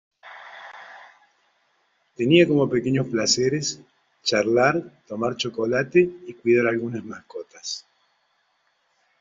Tenía como pequeños placeres charlar, tomar chocolate y cuidar algunas mascotas.